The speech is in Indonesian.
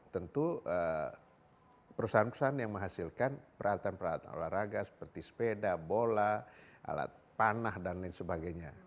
tentu perusahaan perusahaan yang menghasilkan peralatan peralatan olahraga seperti sepeda bola alat panah dan lain sebagainya